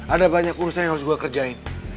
ada banyak urusan yang harus gue kerjain